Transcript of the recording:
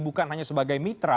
bukan hanya sebagai mitra